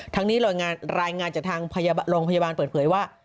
นี้รายงานจากทางโรงพยาบาลเปิดเผยว่า